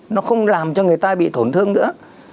nó không làm cho người ta bị tổn thương nữa